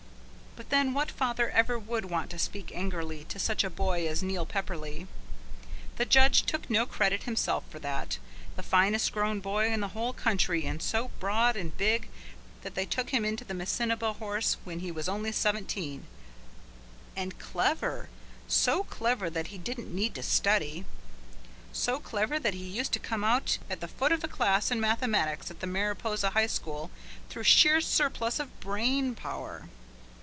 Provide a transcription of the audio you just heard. But then what father ever would want to speak angrily to such a boy as Neil Pepperleigh? The judge took no credit himself for that; the finest grown boy in the whole county and so broad and big that they took him into the Missinaba Horse when he was only seventeen. And clever, so clever that he didn't need to study; so clever that he used to come out at the foot of the class in mathematics at the Mariposa high school through sheer surplus of brain power.